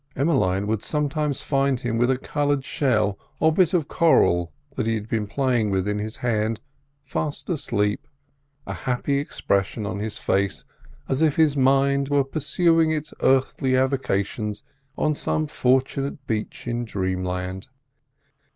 Emmeline would sometimes find him with a coloured shell or bit of coral that he had been playing with in his hand fast asleep, a happy expression on his face, as if his mind were pursuing its earthly avocations on some fortunate beach in dreamland.